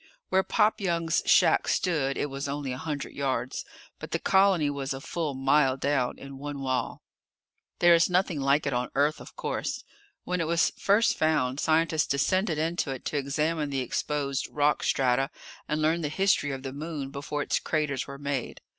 Where Pop Young's shack stood it was only a hundred yards, but the colony was a full mile down, in one wall. There is nothing like it on Earth, of course. When it was first found, scientists descended into it to examine the exposed rock strata and learn the history of the Moon before its craters were made.